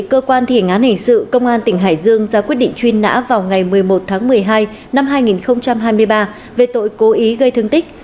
cơ quan thi hành án hình sự công an tỉnh hải dương ra quyết định truy nã vào ngày một mươi một tháng một mươi hai năm hai nghìn hai mươi ba về tội cố ý gây thương tích